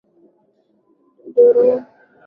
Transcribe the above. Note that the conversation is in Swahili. Mdodoro mkuu wa mwaka elfumoja miatisa ishirini na tisa